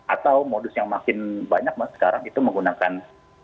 atau modus yang makin banyak mas sekarang itu menggunakan